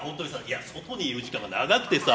外にいる時間が長くてさ。